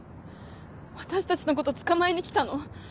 私たちのこと捕まえに来たの？